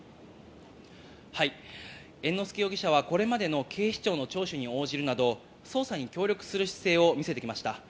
猿之助容疑者は、これまでの警視庁の聴取に応じるなど捜査に協力する姿勢を見せてきました。